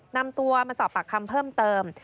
นำตัวมาสอบปากคำเพิ่มเติม